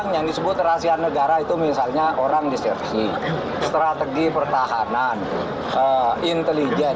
yang disebut rahasia negara itu misalnya orang disergi strategi pertahanan intelijen